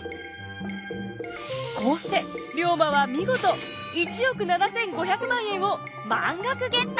こうして龍馬は見事１億７，５００万円を満額ゲット！